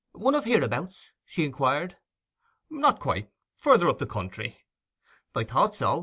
'One of hereabouts?' she inquired. 'Not quite that—further up the country.' 'I thought so.